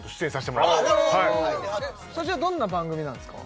はいそちらどんな番組なんですか？